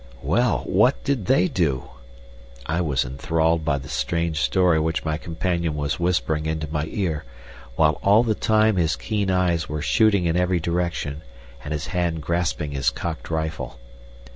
"Well, what did they do?" I was enthralled by the strange story which my companion was whispering into my ear, while all the time his keen eyes were shooting in every direction and his hand grasping his cocked rifle.